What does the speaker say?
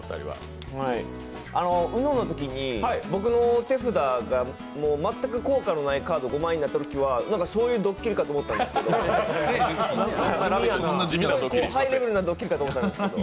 ＵＮＯのときに僕の手札がもう全く効果のないカード５枚になったときはそういうドッキリかと思ったんですけど、ハイレベルなドッキリかかと思ったんですけど。